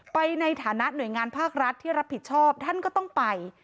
ไปในฐานะหน่วยงานภาครัฐที่รับผิดชอบท่านก็ต้องไป